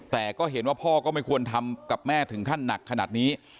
แต่ก็เห็นว่าพ่อก็ไม่ควรทำกับแม่ถึงขั้นหนักขนาดนี้